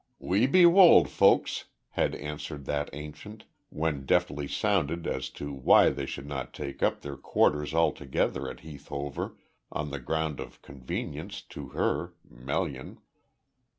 "We be wold folks," had answered that ancient, when deftly sounded as to why they should not take up their quarters altogether at Heath Hover on the ground of convenience to her Melian.